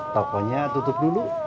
tokonya tutup dulu